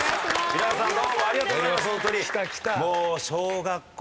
皆さんどうもありがとうございますホントに。